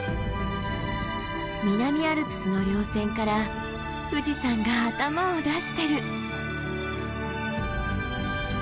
南アルプスの稜線から富士山が頭を出してる！